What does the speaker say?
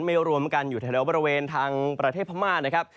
รวมกันอยู่แถวบริเวณทางประเทศพม่านะครับ